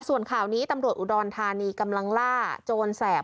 ส่วนข่าวนี้ตำรวจอุดรธานีกำลังล่าโจรแสบ